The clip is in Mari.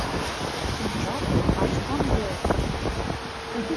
Шӱмжат ласкан вел пыртка.